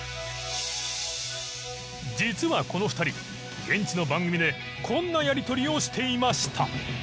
実はこの２人現地の番組でこんなやり取りをしていました。